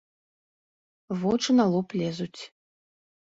Вочы на лоб лезуць.